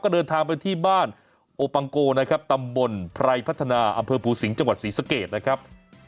เดินทางไปที่บ้านโอปังโกนะครับตำบลไพรพัฒนาอำเภอภูสิงห์จังหวัดศรีสะเกดนะครับ